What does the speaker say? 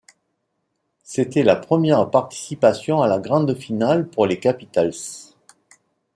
C'était la première participation à la grande finale pour les Capitals.